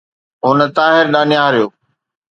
هن طاهر ڏانهن نهاريو.